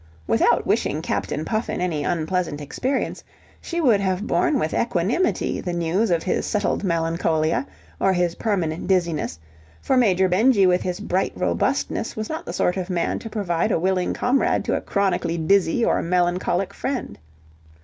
Without wishing Captain Puffin any unpleasant experience, she would have borne with equanimity the news of his settled melancholia, or his permanent dizziness, for Major Benjy with his bright robustness was not the sort of man to prove a willing comrade to a chronically dizzy or melancholic friend.